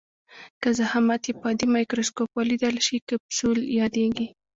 که ضخامت یې په عادي مایکروسکوپ ولیدل شي کپسول یادیږي.